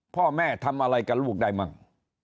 พ่อแม่ทำอะไรกับลูกได้มั่ง